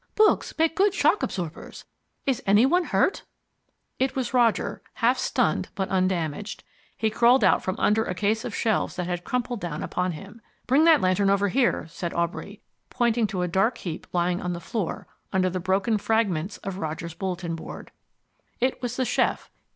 Books make good shock absorbers. Is any one hurt?" It was Roger, half stunned, but undamaged. He crawled out from under a case of shelves that had crumpled down upon him. "Bring that lantern over here," said Aubrey, pointing to a dark heap lying on the floor under the broken fragments of Roger's bulletin board. It was the chef.